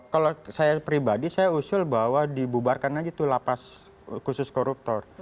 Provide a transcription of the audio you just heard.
kalau saya pribadi saya usul bahwa dibubarkan aja tuh lapas khusus koruptor